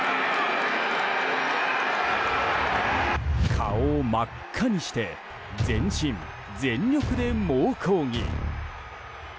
顔を真っ赤にして全身全力で猛抗議。